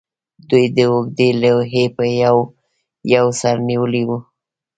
دوی د اوږدې لوحې یو یو سر نیولی و